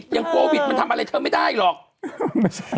ยังโควิดมันทำอะไรเธอไม่ได้หรอกไม่ใช่้ะ